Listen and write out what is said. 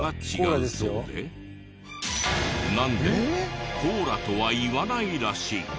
なんでもコーラとは言わないらしい。